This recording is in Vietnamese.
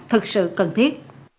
thực sự cần thiết